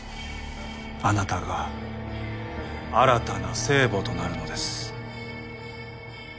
あなたが新たな聖母となるのです。